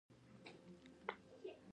ملک صاحب زامنو ته نصحت کاوه